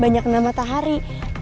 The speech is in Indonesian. banyak nama yang kita cari